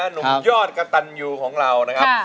หนุ่มยอดกระตันยูของเรานะครับ